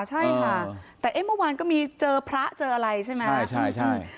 ใช่ค่ะแต่เอ๊ะเมื่อวานก็มีเจอพระเจออะไรใช่ไหมใช่ใช่